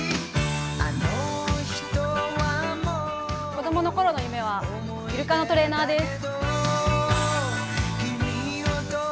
子供の頃の夢は、イルカのトレーナーです。